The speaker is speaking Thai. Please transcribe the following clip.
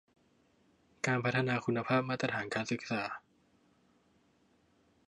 การพัฒนาคุณภาพมาตรฐานการศึกษา